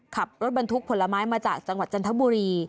ขับรถบรรทุกผลไม้มาจากจังหวัดจันทบุรี